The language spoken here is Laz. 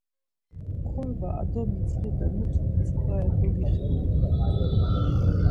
Korba ar domidzği do mutu mitzvare dogixenam ma butzvi.